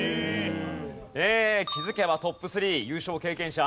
気づけばトップ３優勝経験者。